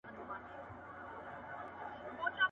• يا موړ مړی، يا غوړ غړی.